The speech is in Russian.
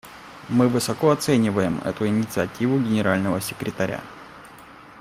Мы высоко оцениваем эту инициативу Генерального секретаря.